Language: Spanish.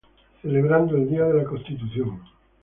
Celebrando el Día de la Constitución